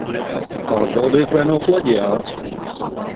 Pārbaudiet, vai nav plaģiāts.